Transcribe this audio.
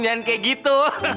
jangan kayak gitu